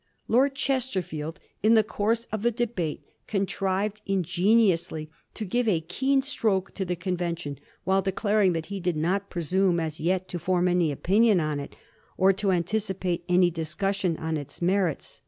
Lord Chesterfield in the course of the de bate contrived ingeniously to give a keen stroke to the convention while declaring that he did not presume as yet to form any opinion on it, or to anticipate any discus sion on its merits.